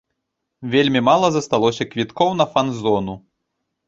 Вельмі мала засталося квіткоў на фан-зону.